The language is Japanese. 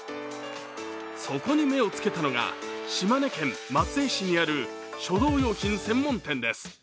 そこに目をつけたのが、島根県松江市にある書道用品専門店です。